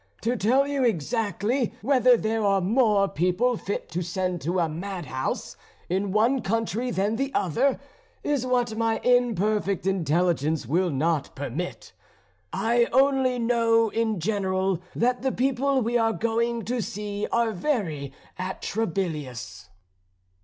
To tell you exactly, whether there are more people fit to send to a madhouse in one country than the other, is what my imperfect intelligence will not permit. I only know in general that the people we are going to see are very atrabilious."